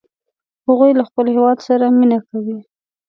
هغوی له خپل هیواد سره مینه کوي